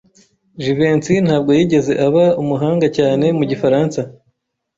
Jivency ntabwo yigeze aba umuhanga cyane mu gifaransa.